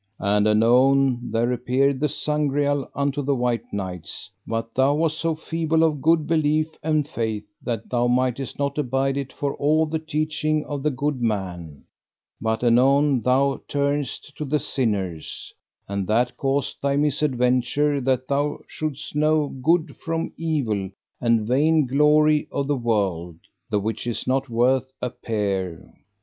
And anon there appeared the Sangreal unto the white knights, but thou was so feeble of good belief and faith that thou mightest not abide it for all the teaching of the good man, but anon thou turnest to the sinners, and that caused thy misadventure that thou should'st know good from evil and vain glory of the world, the which is not worth a pear.